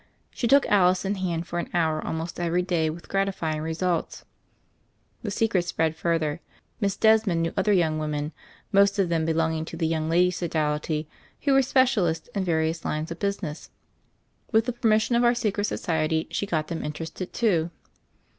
She took Alice in hand for an hour almost every day with gratifying results. The secret spread further. Miss Desmond knew other young women — ^most of them be longing to the Young Ladies' Sodality— who were specialists in various lines of business. THE FAIRY OF THE SNOWS 203 With the permission of our secret society she got them interested, too.